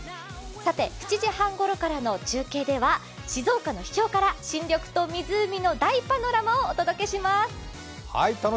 さて、７時半ごろからの中継では静岡の秘境から新緑と湖の大パノラマをお届けします。